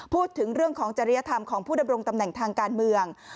พูดถึงเรื่องของจริยธรรมของผู้ดำรงตำแหน่งทางการเมือง